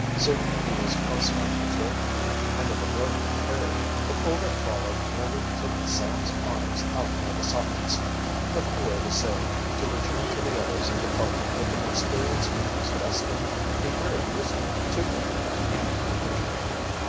Soon he was close enough to throw the youth the end of a rope he carried. The pull that, followed nearly took Sam's arms out by the sockets; but the boy was saved, to return to the others of the party with an experience which was destined to be very useful to him in, the future.